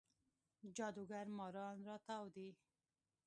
جادوګر ماران راتاو دی